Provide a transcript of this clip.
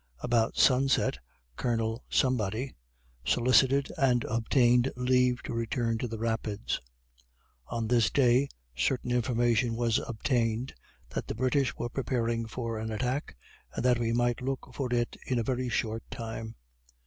About sunset Colonel solicited and obtained leave to return to the Rapids. On this day, certain information was obtained that the British were preparing for an attack, and that we might look for it in a very short time.